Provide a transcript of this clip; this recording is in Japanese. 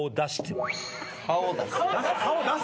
顔を出す？